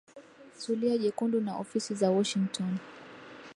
Zulia Jekundu na Ofisi za Washington